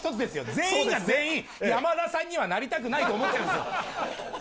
全員が全員、山田さんにはなりたくないと思ってるんですよ。